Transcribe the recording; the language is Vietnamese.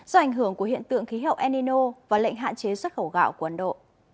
do ảnh hưởng của hiện tượng khí hậu enino và lệnh hạn chế xuất khẩu gạo của ấn độ